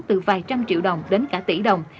từ vài trăm triệu đồng đến cả tỷ đồng